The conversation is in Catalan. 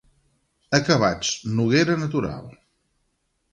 Acabats: noguera natural.